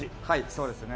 そうですね。